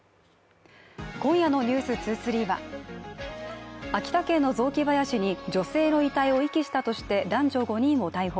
今夜の「ｎｅｗｓ２３」は秋田県の雑木林に女性の遺体を遺棄したとして男女５人を逮捕